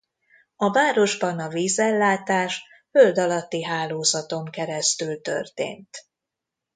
A városban a vízellátás földalatti hálózaton keresztül történt.